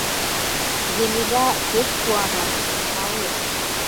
Емеля пеш куана, налеш.